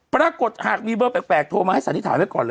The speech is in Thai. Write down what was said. ปรากฏหากมีเบอร์แปลกโทรมาให้สันนิษฐานไว้ก่อนเลย